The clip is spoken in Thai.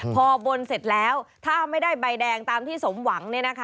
พอบนเสร็จแล้วถ้าไม่ได้ใบแดงตามที่สมหวัง